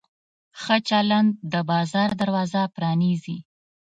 ښه چلند د بازار دروازه پرانیزي.